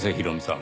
ん？